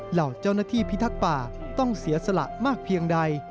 เหล่าเจ้าหน้าที่พิทักษ์ป่าต้องเสียสละมากเพียงใด